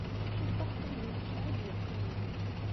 Ciṭṭaḥ kan n uyefki i d-yeqqimen.